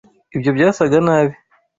Ibyo byasaga nabi.